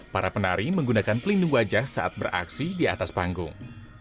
para penari menggunakan pelindung wajah saat beraksi di atas panggung